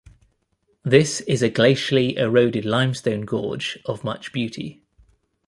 This is a glacially eroded limestone gorge of much beauty.